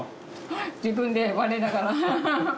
自分で我ながら。